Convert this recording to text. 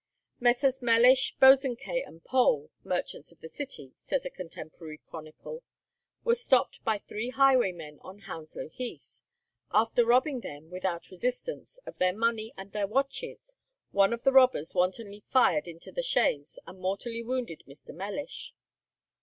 "Messrs. Mellish, Bosanquet, and Pole, merchants of the city," says a contemporary chronicle, "were stopped by three highwaymen on Hounslow Heath. After robbing them, without resistance, of their money and their watches, one of the robbers wantonly fired into the chaise and mortally wounded Mr. Mellish."